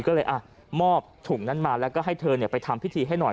ก็เลยมอบถุงนั้นมาแล้วก็ให้เธอไปทำพิธีให้หน่อย